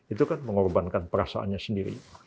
itu kan mengorbankan perasaannya sendiri